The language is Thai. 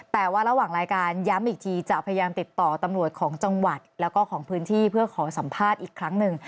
แต่ว่าระหว่างรายการย้ำอีกทีจะพยายามติดต่อตำรวจของจังหวัดแล้วก็ของพื้นที่เพื่อขอสัมภาษณ์อีกครั้งหนึ่ง